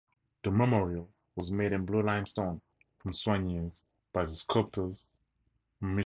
The memorial was made in blue limestone from Soignies by the sculptor Michel Karpovitch.